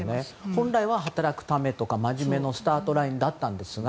本来は働くためとかまじめなスタートラインだったんですが。